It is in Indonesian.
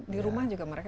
di rumah juga mereka bisa